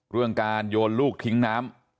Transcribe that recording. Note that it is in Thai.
เรื่องการโยนลูกทิ้งน้ำ